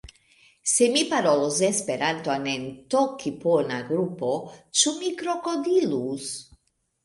Se mi parolus Esperanton en tokipona grupo, ĉu mi krokodilus?